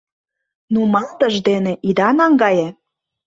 Нумалтыш дене ида наҥгае!